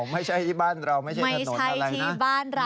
ไม่ใช่ที่บ้านเราไม่ใช่ถนนอะไรนะไม่ใช่ที่บ้านเรา